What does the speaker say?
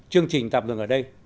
chương trình tạm dừng ở đây